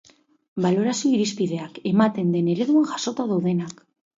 Balorazio-irizpideak, ematen den ereduan jasota daudenak.